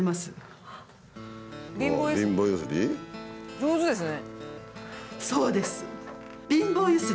上手ですね。